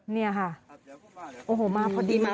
นี่ค่ะ